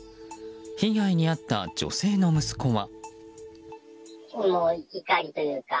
被害に遭った女性の息子は。